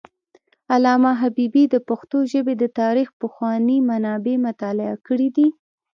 علامه حبیبي د پښتو ژبې د تاریخ پخواني منابع مطالعه کړي دي.